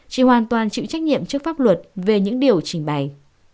chị hoàn toàn chịu trách nhiệm trước pháp luật về những điều trình bày